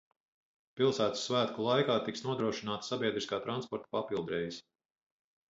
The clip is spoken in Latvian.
Pilsētas svētku laikā tiks nodrošināti sabiedriskā transporta papildreisi.